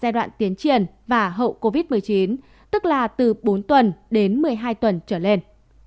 giai đoạn tiến triển và hậu covid một mươi chín tức là từ bốn tuần đến một mươi hai tuần trở lên